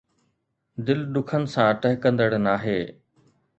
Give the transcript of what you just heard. دل ڏکن سان ٺهڪندڙ ناهي